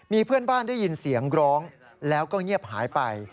มีเพื่อนบ้านได้ยินเสียงร้องแล้วก็เงียบหายไป